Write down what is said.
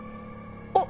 あっ！